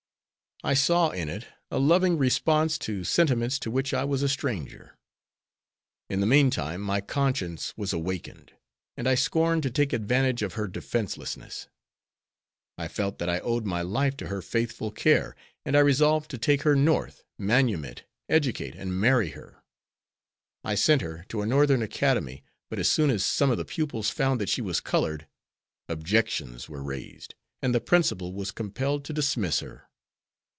I saw in it a loving response to sentiments to which I was a stranger. In the meantime my conscience was awakened, and I scorned to take advantage of her defenselessness. I felt that I owed my life to her faithful care, and I resolved to take her North, manumit, educate, and marry her. I sent her to a Northern academy, but as soon as some of the pupils found that she was colored, objections were raised, and the principal was compelled to dismiss her.